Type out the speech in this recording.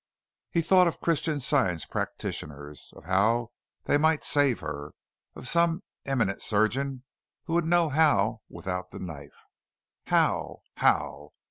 He thought of Christian Science practitioners, of how they might save her of some eminent surgeon who would know how without the knife. How? How?